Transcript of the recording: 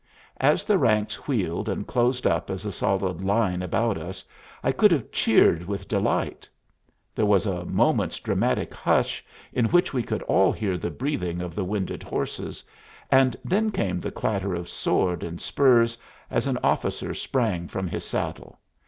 As the ranks wheeled, and closed up as a solid line about us, I could have cheered with delight. There was a moment's dramatic hush, in which we could all hear the breathing of the winded horses, and then came the clatter of sword and spurs, as an officer sprang from his saddle.